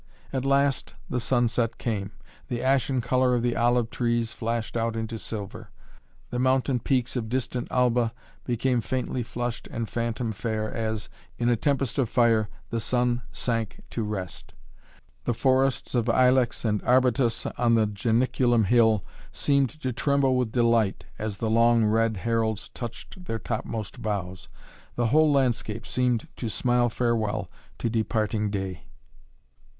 At last the sunset came. The ashen color of the olive trees flashed out into silver. The mountain peaks of distant Alba became faintly flushed and phantom fair as, in a tempest of fire, the sun sank to rest. The forests of ilex and arbutus on the Janiculum Hill seemed to tremble with delight as the long red heralds touched their topmost boughs. The whole landscape seemed to smile farewell to departing day.